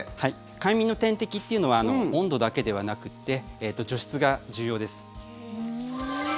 快眠の天敵っていうのは温度だけではなくて除湿が重要です。